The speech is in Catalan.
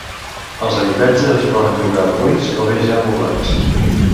Els habitatges es poden llogar buits o bé ja moblats.